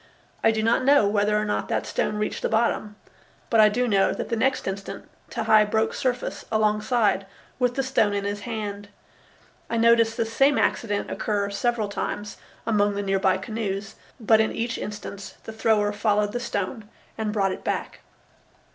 I do not know whether or not that stone reached the bottom, but I do know that the next instant Tehei broke surface alongside with the stone in his hand. I noticed this same accident occur several times among the near by canoes, but in each instance the thrower followed the stone and brought it back.